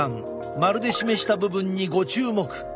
円で示した部分にご注目。